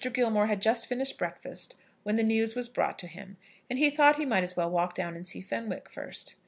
Gilmore had just finished breakfast when the news was brought to him, and he thought he might as well walk down and see Fenwick first.